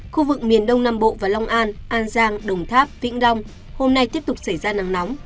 khu vực miền đông nam bộ và long an an giang đồng tháp vĩnh long hôm nay tiếp tục xảy ra nắng nóng